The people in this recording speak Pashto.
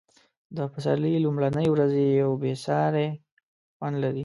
د پسرلي لومړنۍ ورځې یو بې ساری خوند لري.